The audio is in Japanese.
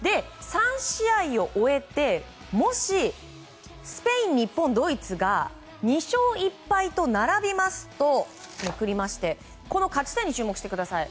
３試合を終えてもしスペイン、日本、ドイツが２勝１敗と並びますとこの勝ち点に注目してください。